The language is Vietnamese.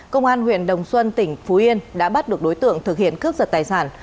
công an huyện đồng xuân tỉnh phú yên đã bắt được đối tượng thực hiện cướp giật tài sản